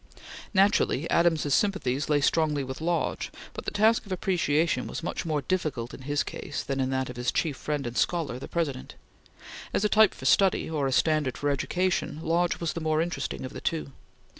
Naturally, Adams's sympathies lay strongly with Lodge, but the task of appreciation was much more difficult in his case than in that of his chief friend and scholar, the President. As a type for study, or a standard for education, Lodge was the more interesting of the two.